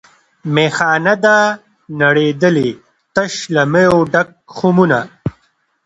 میخانه ده نړېدلې تش له میو ډک خُمونه